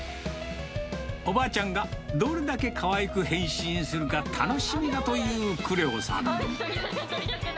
おばあちゃんがどれだけかわいく変身するか楽しみだというクレオさん。